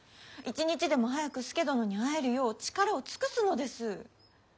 一日でも早く佐殿に会えるよう力を尽くすのです。